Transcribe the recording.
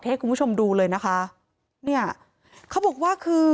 ให้คุณผู้ชมดูเลยนะคะเนี่ยเขาบอกว่าคือ